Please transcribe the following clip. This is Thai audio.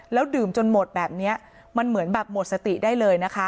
แล้วดื่มจนหมดแบบนี้มันเหมือนแบบหมดสติได้เลยนะคะ